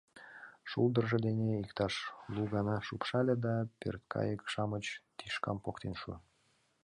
Шулдыржо дене иктаж лу гана лупшале да пӧрткайык-шамыч тӱшкам поктен шуо.